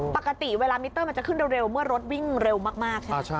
ปกติเวลามิเตอร์มันจะขึ้นเร็วเมื่อรถวิ่งเร็วมากใช่ไหม